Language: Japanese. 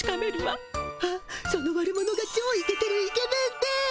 あっその悪者がちょうイケてるイケメンで。